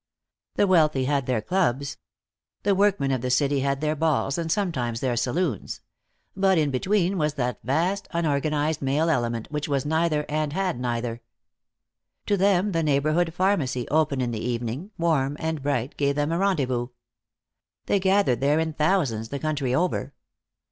The wealthy had their clubs. The workmen of the city had their balls and sometimes their saloons. But in between was that vast, unorganized male element which was neither, and had neither. To them the neighborhood pharmacy, open in the evening, warm and bright, gave them a rendezvous. They gathered there in thousands, the country over.